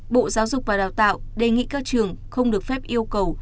bộ giáo dục và đào tạo đề nghị các trường không được phép yêu cầu